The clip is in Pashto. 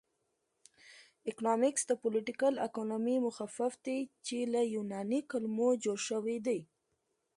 اکنامکس د پولیټیکل اکانومي مخفف دی چې له یوناني کلمو جوړ شوی دی